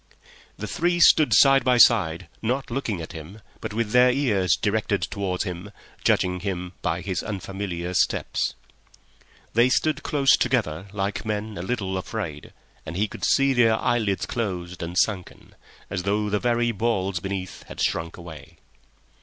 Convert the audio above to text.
The three stood side by side, not looking at him, but with their ears directed towards him, judging him by his unfamiliar steps. They stood close together like men a little afraid, and he could see their eyelids closed and sunken, as though the very balls beneath had shrunk away.